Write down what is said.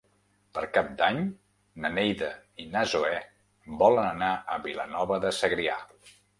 Per Cap d'Any na Neida i na Zoè volen anar a Vilanova de Segrià.